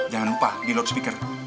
jangan lupa di load speaker